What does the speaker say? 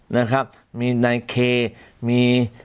นะครับมีนายเคมี